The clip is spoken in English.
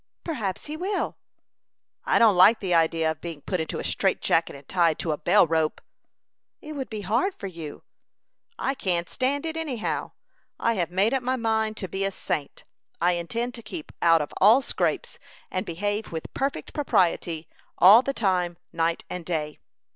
"Perhaps he will." "I don't like the idea of being put into a strait jacket, and tied to a bell rope." "It would be hard for you." "I can't stand it, any how. I have made up my mind to be a saint. I intend to keep out of all scrapes, and behave with perfect propriety all the time, night and day."